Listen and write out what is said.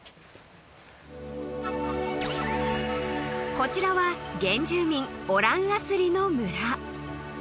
［こちらは原住民オラン・アスリの村］